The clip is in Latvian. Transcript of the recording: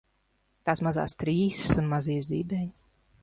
Tās mazās trīsas un mazie zibeņi.